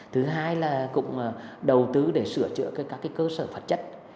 thứ hai là cũng đầu tư để sửa chữa các cái cơ sở phật chất